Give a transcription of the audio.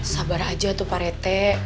sabar aja tuh pak rete